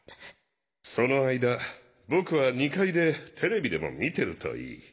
その間ボクは２階でテレビでも見てるといい。